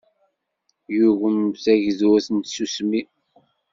Yugem tagdurt n tsusmi.